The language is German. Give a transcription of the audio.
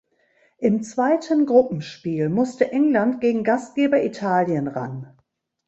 Im zweiten Gruppenspiel musste England gegen Gastgeber Italien ran.